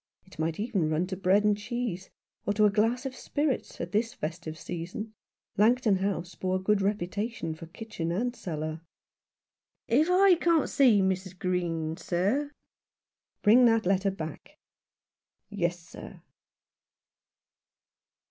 It might even run to bread and cheese, or to a glass of spirits, at this festive season. Langton House bore a good reputation for kitchen and cellar. " If I can't see Mrs. Green, sir ?"" Bring that letter back." "Yes/ sir."